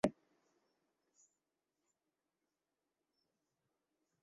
তিনি অধ্যাপক সত্যেন্দ্রনাথ বসুকে তার সম্মানিত শিক্ষক হিসেবে গণ্য করেন।